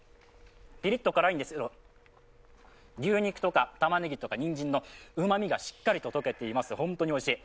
ピリッと辛いんですけど牛肉とかたまねぎとかにんじんのうまみがしっかりと溶けています、本当においしい。